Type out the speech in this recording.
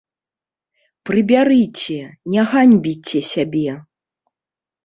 Прыбярыце, не ганьбіце сябе!